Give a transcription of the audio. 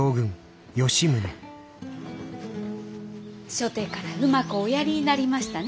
初手からうまくおやりになりましたね